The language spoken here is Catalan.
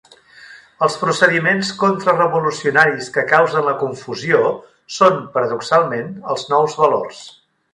Els procediments contrarevolucionaris que causen la confusió són, paradoxalment, els nous valors.